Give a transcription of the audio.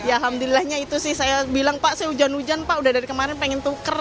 alhamdulillahnya itu sih saya bilang pak saya hujan hujan pak udah dari kemarin pengen tuker